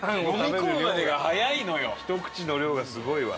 ひと口の量がすごいわ。